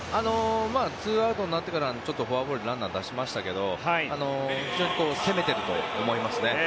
２アウトになってからフォアボールでランナーを出しましたけど非常に攻めていると思いますね。